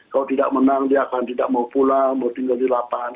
kalau tidak menang dia akan tidak mau pulang mau tinggal di lapangan